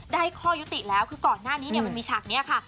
ข้อยุติแล้วคือก่อนหน้านี้มันมีฉากนี้ค่ะ